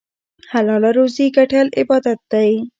حلاله روزي ګټل عبادت دی.